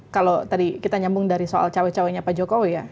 kalau tadi kita nyambung dari soal cawe cawenya pak jokowi ya